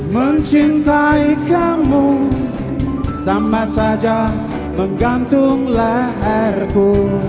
mencintai kamu sama saja menggantung leherku